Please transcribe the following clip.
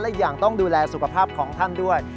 และอีกอย่างต้องดูแลสุขภาพของท่านด้วย